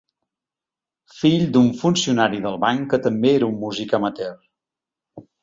Fill d'un funcionari del banc que també era un músic amateur.